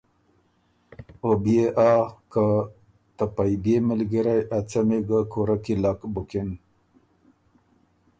او بيې آ که ته پئ بيې مِلګرئ ا څمی ګۀ کُورۀ کی لک بُکِن۔